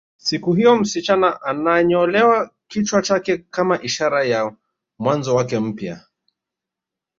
Siku hiyo msichana ananyolewa kichwa chake kama ishara ya mwanzo wake mpya